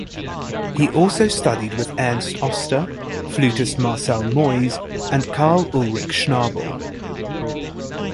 He also studied with Ernst Oster, flutist Marcel Moyse, and Karl Ulrich Schnabel.